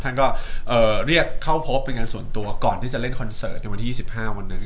ท่านก็เรียกเข้าพบเป็นงานส่วนตัวก่อนที่จะเล่นคอนเสิร์ตในวันที่๒๕วันหนึ่ง